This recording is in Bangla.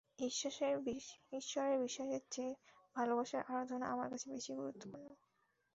ঈশ্বরে বিশ্বাসের চেয়ে ভালোবাসার আরাধনা আমার কাছে বেশি গুরুত্বপূর্ণ!